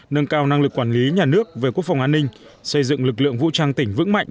nâng cao năng lực quản lý nhà nước về quốc phòng an ninh xây dựng lực lượng vũ trang tỉnh vững mạnh